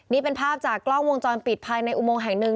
นี่เป็นภาพจากกล้องวงจรปิดภายในอุโมงแห่งหนึ่ง